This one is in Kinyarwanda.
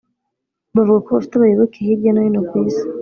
bavuga ko bafite abayoboke hirya no hino ku isi